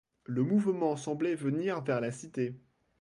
Le mouvement semblait venir vers la Cité.